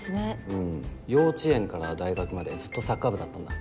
うん幼稚園から大学までずっとサッカー部だったんだ。